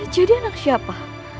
jadi anak siapa